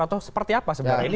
atau seperti apa sebenarnya ini